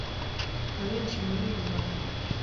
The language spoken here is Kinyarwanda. abenshi muri rubanda